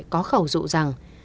có khẩu rụ rằng